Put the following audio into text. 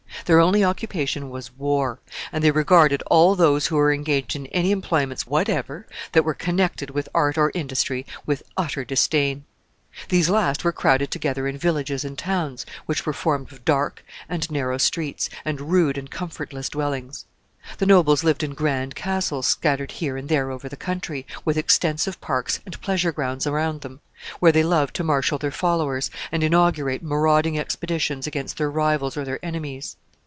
Their only occupation was war, and they regarded all those who were engaged in any employments whatever, that were connected with art or industry, with utter disdain. These last were crowded together in villages and towns which were formed of dark and narrow streets, and rude and comfortless dwellings. The nobles lived in grand castles scattered here and there over the country, with extensive parks and pleasure grounds around them, where they loved to marshal their followers, and inaugurate marauding expeditions against their rivals or their enemies.